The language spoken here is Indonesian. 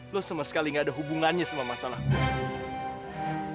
lo sama sekali gak ada hubungannya sama masalahmu